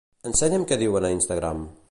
Ensenya'm què diuen a Instagram.